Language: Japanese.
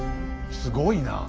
すごいな！